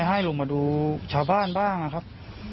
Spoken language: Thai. ให้ลงมาดูชาวบ้านบ้างนะครับ